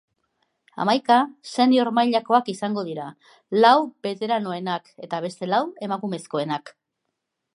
Hamaika senior mailakoak izango dira, lau beteranoenak eta beste lau emakumezkoenak.